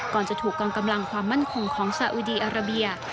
ก่อนจะถูกกองกำลังความมั่นคงของสาอุดีอาราเบีย